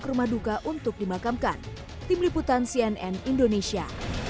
ke rumah duka untuk dimakamkan tim liputan cnn indonesia